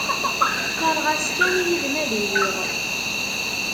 Qqareɣ-as kan yid-m ad iliɣ.